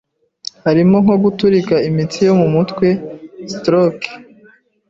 harimo nko guturika imitsi yo mu mutwe stroke